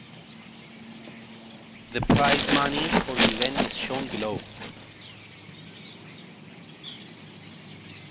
The prize money for the event is shown below.